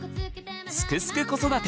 「すくすく子育て」